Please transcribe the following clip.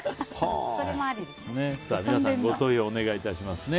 皆さん、ご投票をお願いしますね。